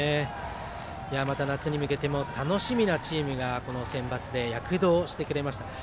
夏に向けても楽しみなチームが躍動してくれました。